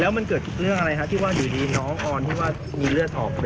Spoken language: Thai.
แล้วมันเกิดเรื่องอะไรครับที่ว่าอยู่ดีน้องออนมีเลือดหอบ